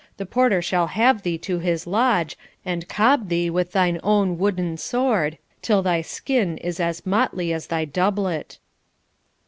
the porter shall have thee to his lodge, and cob thee with thine own wooden sword till thy skin is as motley as thy doublet.'